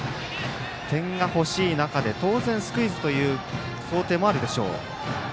点が欲しい中で、当然スクイズという想定もあるか。